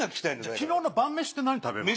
昨日の晩飯って何食べました？